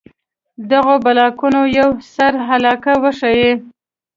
دغو بلاکونو یوه سره علاقه وښيي.